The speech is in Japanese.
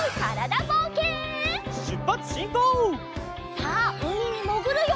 さあうみにもぐるよ！